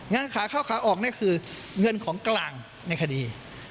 อย่างนั้นขาเข้าขาออกนั่นคือเงื่อนของกลางในคดี